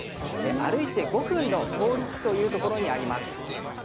歩いて５分の好立地というところにあります。